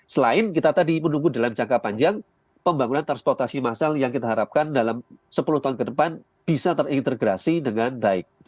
selain kita tadi menunggu dalam jangka panjang pembangunan transportasi massal yang kita harapkan dalam sepuluh tahun ke depan bisa terintegrasi dengan baik